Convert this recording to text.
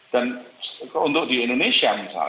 dan untuk di indonesia misalnya ya